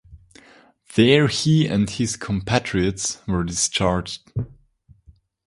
There he and his compatriots were discharged.